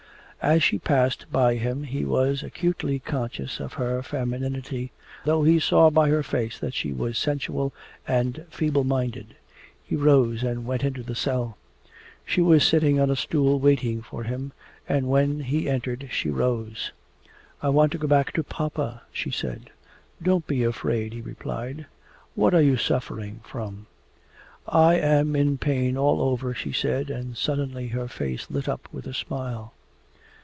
As she passed by him he was acutely conscious of her femininity, though he saw by her face that she was sensual and feeble minded. He rose and went into the cell. She was sitting on a stool waiting for him, and when he entered she rose. 'I want to go back to Papa,' she said. 'Don't be afraid,' he replied. 'What are you suffering from?' 'I am in pain all over,' she said, and suddenly her face lit up with a smile.